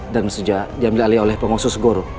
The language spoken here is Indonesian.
dan mesejah diambil alih oleh penguasa segorok